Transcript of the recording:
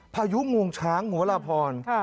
พายุงวงช้างหัวลาพร